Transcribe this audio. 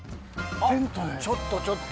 あっちょっとちょっと。